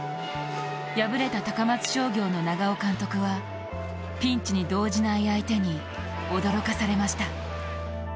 敗れた高松商業の長尾監督はピンチに動じない相手に驚かされました。